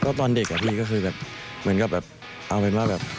ก็ตอนเด็กอะพี่ก็คือแบบเหมือนกับแบบเอาเป็นว่าแบบ